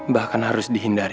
bahkan harus dihindari